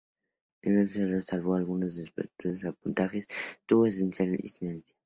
En Euskal Herria, salvo algunos disturbios y sabotajes puntuales no tuvo especial incidencia.